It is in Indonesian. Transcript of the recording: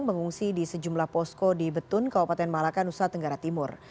mengungsi di sejumlah posko di betun kabupaten malaka nusa tenggara timur